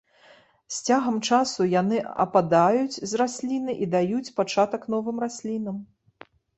З цягам часу яны ападаюць з расліны і даюць пачатак новым раслінам.